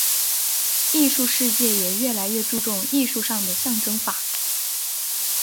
艺术世界也越来越注重艺术上的象征法。